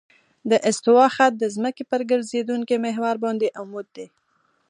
د استوا خط د ځمکې په ګرځېدونکي محور باندې عمود دی